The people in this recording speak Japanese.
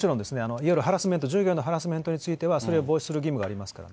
いわゆるハラスメント、従業員のハラスメントについては、それを防止する義務がありますから。